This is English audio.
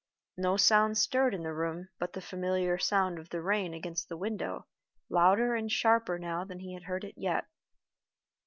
No sound stirred in the room, but the familiar sound of the rain against the window, louder and sharper now than he had heard it yet.